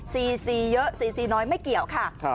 ซีซีเยอะซีซีน้อยไม่เกี่ยวค่ะ